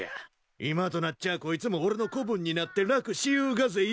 今となっちゃこいつも俺の子分になって楽しゆうがぜよ。